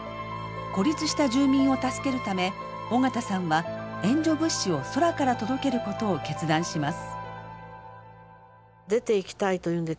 孤立した住民を助けるため緒方さんは援助物資を空から届けることを決断します。